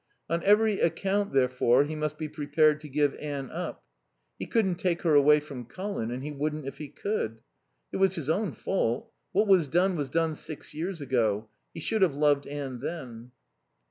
On every account, therefore, he must be prepared to give Anne up. He couldn't take her away from Colin, and he wouldn't if he could. It was his own fault. What was done was done six years ago. He should have loved Anne then.